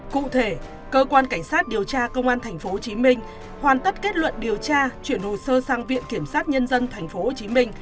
cụ thể cơ quan cảnh sát điều tra công an tp hcm hoàn tất kết luận điều tra chuyển hồ sơ sang viện kiểm sát nhân dân tp hcm